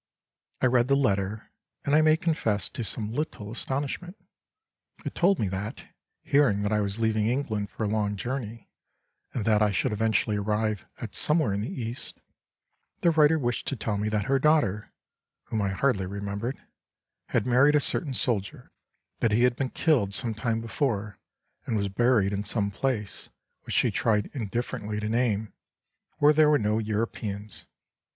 I read the letter, and I may confess to some little astonishment. It told me that, hearing that I was leaving England for a long journey, and that I should eventually arrive at somewhere in the East, the writer wished to tell me that her daughter (whom I hardly remembered) had married a certain soldier, that he had been killed some time before, and was buried in some place (which she tried indifferently to name) where there were no Europeans.